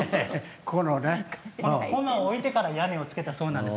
こまを置いてから屋根をつけたそうです。